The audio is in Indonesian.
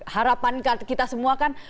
harapan kita semua kan